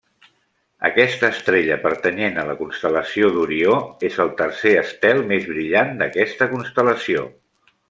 Aquesta estrella pertanyent a la constel·lació d'Orió, és el tercer estel més brillant d'aquesta constel·lació.